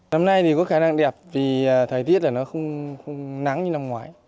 năm nay thì có khả năng đẹp vì thời tiết là nó không nắng như năm ngoái